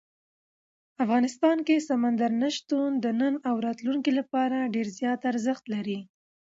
افغانستان کې سمندر نه شتون د نن او راتلونکي لپاره ډېر زیات ارزښت لري.